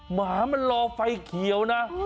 หมามันรอไฟเขียวนะ